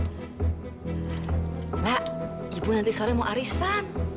mbak ibu nanti sore mau arisan